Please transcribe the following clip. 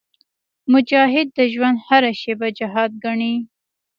مجاهد د ژوند هره شېبه جهاد ګڼي.